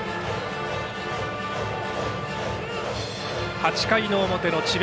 ８回の表の智弁